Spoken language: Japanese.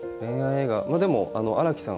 でも、新木さん